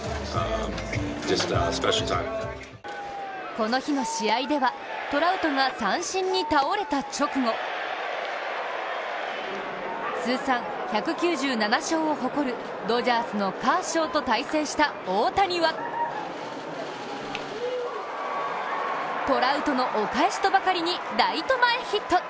この日の試合では、トラウトが三振に倒れた直後通算１９７勝を誇る、ドジャースのカーショーと対戦した大谷はトラウトのお返しとばかりにライト前ヒット。